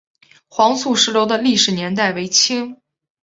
黄素石楼的历史年代为清。